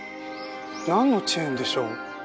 なんのチェーンでしょう？